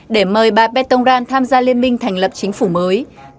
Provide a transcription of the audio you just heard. để mời bà petongran tham gia liên minh thành lập chính phủ mới